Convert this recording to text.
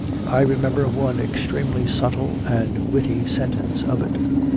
I remember one extremely subtle and witty sen tence of it.